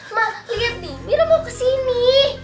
ma liat di biru mau kesini